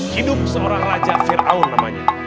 hidup seorang raja ⁇ firaun namanya